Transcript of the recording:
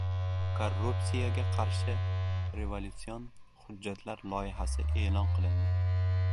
Korrupsiyaga qarshi «revolyusion hujjatlar» loyihasi e’lon qilindi